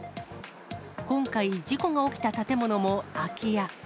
今回、事故が起きた建物も空き家。